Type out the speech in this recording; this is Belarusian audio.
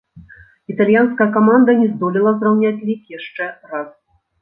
Італьянская каманда не здолела зраўняць лік яшчэ раз.